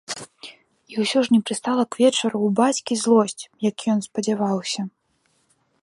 І ўсё ж не прастыла к вечару ў бацькі злосць, як ён спадзяваўся.